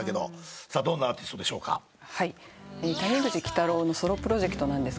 谷口喜多朗のソロプロジェクトなんです。